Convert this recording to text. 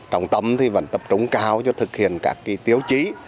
trong tâm thì vẫn tập trung cao cho thực hiện các tiếu chí